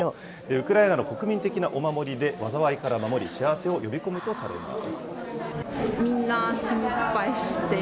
ウクライナの国民的なお守りで、災いから守り、幸せを呼び込むとされます。